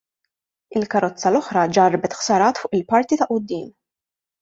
Il-karozza l-oħra ġarrbet ħsarat fuq il-parti ta' quddiem.